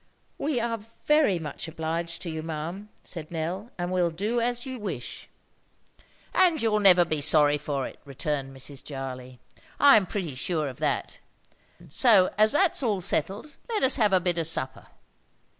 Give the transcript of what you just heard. "We are very much obliged to you, ma'am," said Nell, "and will do as you wish." "And you'll never be sorry for it," returned Mrs. Jarley. "I am pretty sure of that. So as that's all settled, let us have a bit of supper."